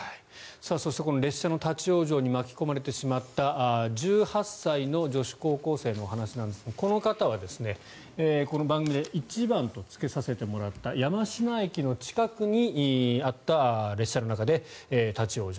そしてこの列車の立ち往生に巻き込まれてしまった１８歳の女子高校生のお話ですがこの方は番組で１番とつけさせてもらった山科駅の近くにあった列車の中で立ち往生。